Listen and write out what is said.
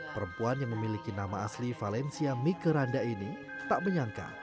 perempuan yang memiliki nama asli valencia mikeranda ini tak menyangka